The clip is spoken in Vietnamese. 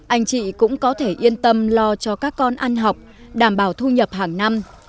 anh chị cũng có thể yên tâm lo cho các con ăn học đảm bảo thu nhập hàng năm